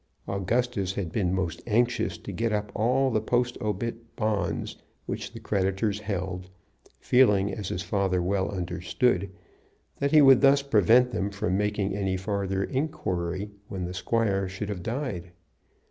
Augustus had been most anxious to get up all the post obit bonds which the creditors held, feeling, as his father well understood, that he would thus prevent them from making any farther inquiry when the squire should have died.